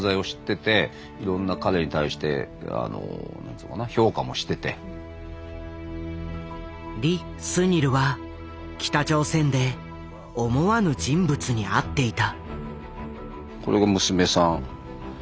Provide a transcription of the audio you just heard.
そのころにリ・スニルは北朝鮮で思わぬ人物に会っていた。